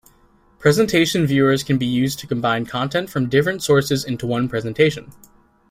Presentation viewers can be used to combine content from different sources into one presentation.